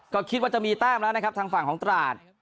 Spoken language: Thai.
ก็คิดว่าจะมีแต้มแล้วนะครับทางฝั่งของตราด